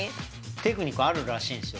テクニックあるらしいんですよ